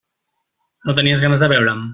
No tenies ganes de veure'm?